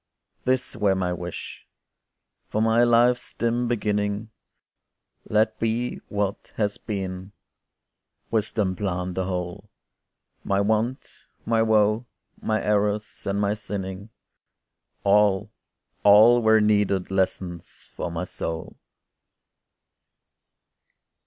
This were my wish!—from my life's dim beginning Let be what has been! wisdom planned the whole My want, my woe, my errors, and my sinning, All, all were needed lessons for my soul.